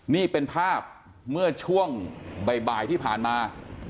นี่เป็นภาพเมื่อช่วงบ่ายที่ผ่านมา